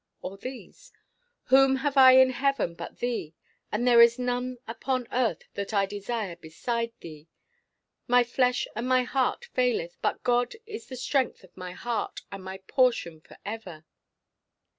Or these: "Whom have I in heaven but thee? and there is none upon earth that I desire beside thee. My flesh and my heart faileth; but God is the strength of my heart, and my portion for ever."